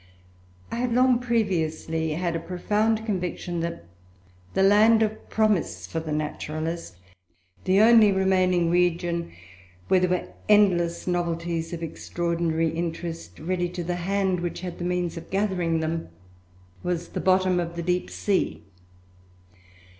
I had long previously had a profound conviction that the land of promise for the naturalist, the only remaining region where there were endless novelties of extraordinary interest ready to the hand which had the means of gathering them, was the bottom of the deep sea.